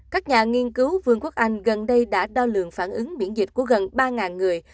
các nhà nghiên cứu vương quốc anh gần đây đã đo lường phản ứng miễn dịch của gần ba người